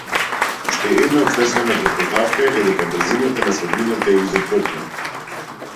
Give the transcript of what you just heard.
Уште една општа претпоставка е дека брзината на светлината е изотропна.